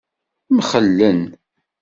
Mxellen.